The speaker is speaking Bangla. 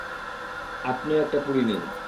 আপনিও একটা পুরী নিন।